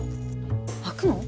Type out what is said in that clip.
開くの？